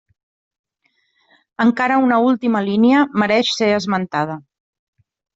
Encara una última línia mereix ser esmentada.